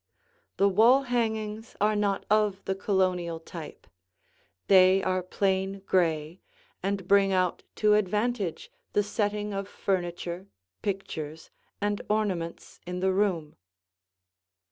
The wall hangings are not of the Colonial type; they are plain gray and bring out to advantage the setting of furniture, pictures, and ornaments in the room.